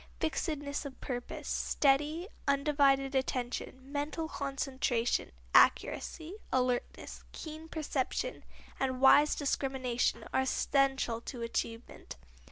Fixedness of purpose, steady, undivided attention, mental concentration, accuracy, alertness, keen perception and wise discrimination are essential to achievement.